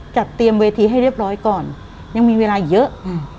จัดเตรียมเวทีให้เรียบร้อยก่อนยังมีเวลาอีกเยอะอืม